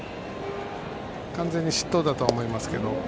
完全に失投だとは思いますけども。